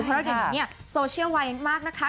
เพราะว่าถ้าหนูเนี่ยโซเชียมไว้มากนะคะ